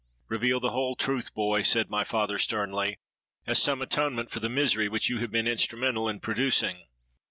'—'Reveal the whole truth, boy,' said my father sternly, 'as some atonement for the misery which you have been instrumental in producing.'